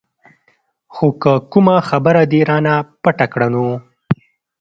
خو که کومه خبره دې رانه پټه کړه نو.